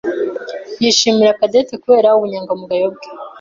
yishimira Cadette kubera ubunyangamugayo bwe.